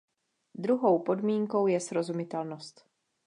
Druhou podmínkou je srozumitelnost.